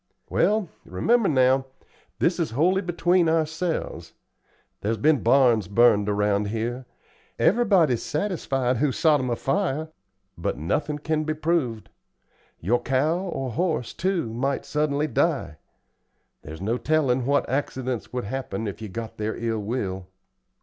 "Well remember, now, this is wholly between ourselves there's been barns burned around here. Everybody's satisfied who sot 'em afire, but nothin' can be proved. Your cow or horse, too, might suddenly die. There's no tellin' what accidents would happen if you got their ill will."